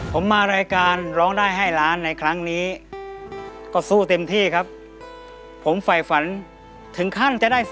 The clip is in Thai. ผมมารายการร้องได้ให้ล้านในครั้งนี้ก็สู้เต็มที่ครับผมฝ่ายฝันถึงขั้นจะได้